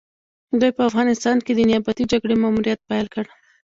دوی په افغانستان کې د نيابتي جګړې ماموريت پيل کړ.